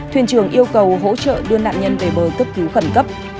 thuyền trưởng yêu cầu hỗ trợ đưa nạn nhân về bờ cấp cứu khẩn cấp